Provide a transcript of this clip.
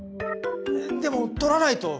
でも取らないと。